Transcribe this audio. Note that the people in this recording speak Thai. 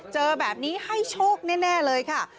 เจอแบบนี้ให้โชคแน่เลยค่ะ